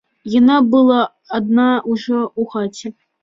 Яна была адна ўжо ў хаце.